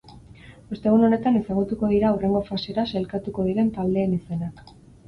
Ostegun honetan ezagutuko dira hurrengo fasera sailkatuko diren taldeen izenak.